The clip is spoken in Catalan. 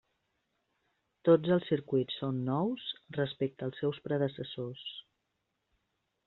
Tots els circuits són nous respecte als seus predecessors.